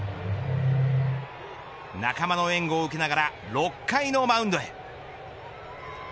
仲間の援護を受けながら６回のマウンドへ。